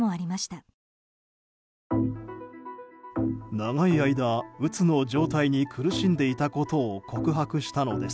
長い間、うつの状態に苦しんでいたことを告白したのです。